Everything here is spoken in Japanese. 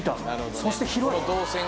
そして広い。